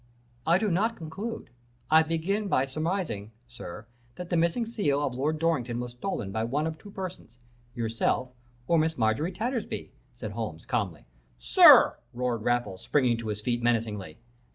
"'I do not conclude; I begin by surmising, sir, that the missing seal of Lord Dorrington was stolen by one of two persons yourself or Miss Marjorie Tattersby,' said Holmes, calmly. "'Sir!' roared Raffles, springing to his feet menacingly.